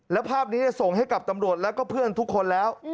แล้วภาพนี้ส่งให้กับตำรวจแล้วก็เพื่อนทุกคนแล้ว